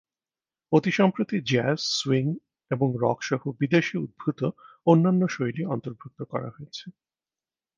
অতি সম্প্রতি, jazz, swing এবং রক সহ বিদেশে উদ্ভূত অন্যান্য শৈলী অন্তর্ভুক্ত করা হয়েছে।